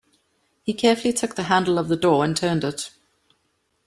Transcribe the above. He carefully took the handle of the door, and turned it.